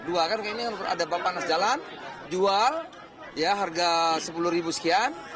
dua kan ini ada panas jalan jual harga rp sepuluh sekian